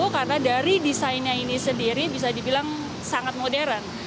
karena dari desainnya ini sendiri bisa dibilang sangat modern